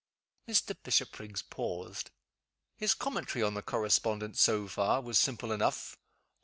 Mr. Bishopriggs paused. His commentary on the correspondence, so far, was simple enough.